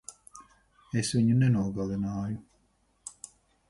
Es viņu nenogalināju.